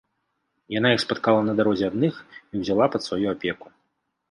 Яна іх спаткала на дарозе адных і ўзяла пад сваю апеку.